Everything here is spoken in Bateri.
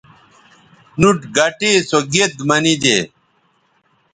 نُوٹ گٹے سو گید منیدے